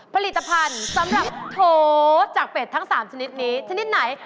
ผลิตภัณฑ์สำหรับโถจากเป็ดทั้ง๓ชนิดนี้ชนิดไหน